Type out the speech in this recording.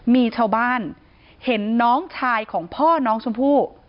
มีชาวบ้านเห็นน้องชายของพ่อน้องชมพู่